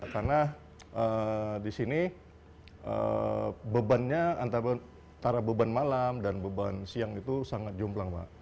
karena di sini bebannya antara beban malam dan beban siang itu sangat jumlah